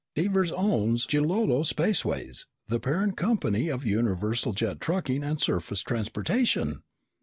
"Devers owns Jilolo Spaceways, the parent company of Universal Jet Trucking and Surface Transportation!